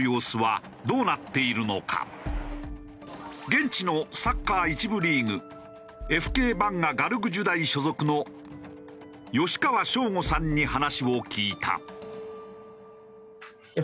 現地のサッカー１部リーグＦＫバンガ・ガルグジュダイ所属の吉川翔梧さんに話を聞いた。